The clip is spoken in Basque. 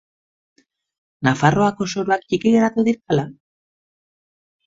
Nafarroako soroak txiki geratu dira ala?